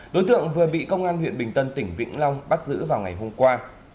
đối tượng vừa bị công an huyện bình tân tỉnh vĩnh long bắt giữ vào ngày hôm qua